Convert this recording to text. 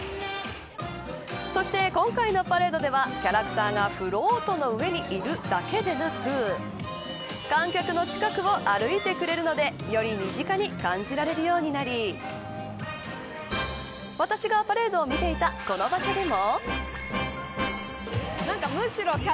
そして、今回のパレードではキャラクターがフロートの上にいるだけでなく観客の近くを歩いてくれるのでより身近に感じられるようになり私がパレードを見ていたこの場所でも。